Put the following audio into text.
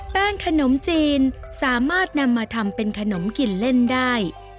ขนมจีนสามารถนำมาทำเป็นขนมกินเล่นได้